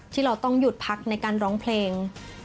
ที่เราต้องหยุดพักในการร้องเพลง